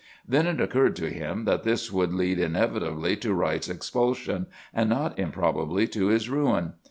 Then it occurred to him that this would lead inevitably to Wright's expulsion, and not improbably to his ruin.